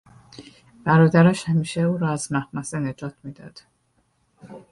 برادرش همیشه او را از مخمصه نجات میداد.